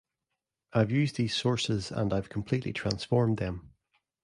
I've used these sources and I've completely transformed them.